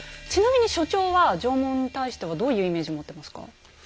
ちなみに所長は縄文に対してはどういうイメージ持ってますか？